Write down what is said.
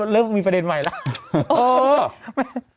เริ่มมีประเด็นใหม่แล้ว